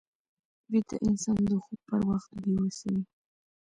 ویده انسان د خوب پر وخت بې وسه وي